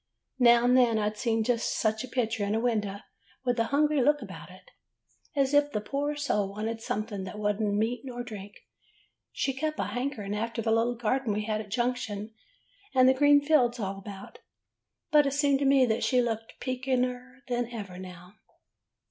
Now and then I 've seen just such a pic ture in a window, with a hungry look about it [ 53 ] AN EASTER LILY as if the poor soul wanted something that was n't meat nor drink. She kept a hankering after the little garden we had at Junction, and the green fields all about. But it seemed to me that she looked peekeder than ever now.